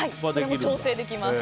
それも調整できます。